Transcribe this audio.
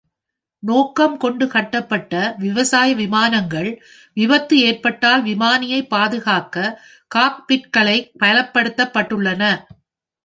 நோக்கம் கொண்டு கட்டப்பட்ட விவசாய விமானங்கள் விபத்து ஏற்பட்டால் விமானியை பாதுகாக்க காக்பிட்களை பலப்படுத்தப்பட்டுள்ளன.